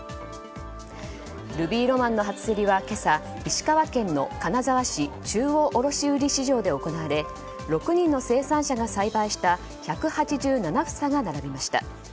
ルビーロマンの初競りは今朝、石川県の金沢市中央卸売市場で行われ６人の生産者が栽培した１８７房が並びました。